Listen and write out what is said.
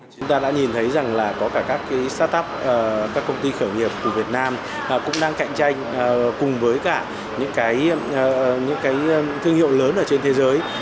chúng ta đã nhìn thấy rằng là có cả các start up các công ty khởi nghiệp của việt nam cũng đang cạnh tranh cùng với cả những cái thương hiệu lớn ở trên thế giới